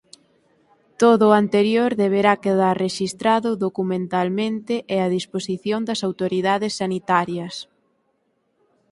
Todo o anterior deberá quedar rexistrado documentalmente e a disposición das autoridades sanitarias.